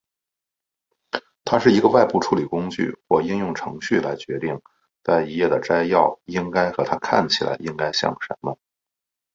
它是一个外部处理工具或应用程序来决定在一页上的摘要应该和它看起来应该像什么。